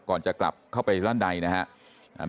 ก่อนจะกลับเข้าไปด้านในนะครับ